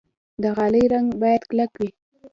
د غالۍ رنګ باید کلک وي.